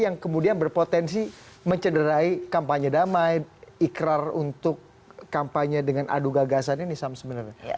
yang kemudian berpotensi mencederai kampanye damai ikrar untuk kampanye dengan adu gagasan ini sam sebenarnya